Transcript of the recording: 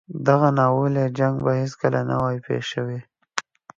دغه ناولی جنګ به هیڅکله نه وای پېښ شوی.